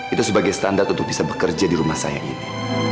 itu sebagai standar untuk bisa bekerja di rumah saya ini